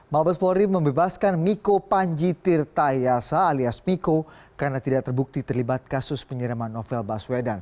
mabes polri membebaskan miko panjitir tayasa alias miko karena tidak terbukti terlibat kasus penyeraman novel baswedan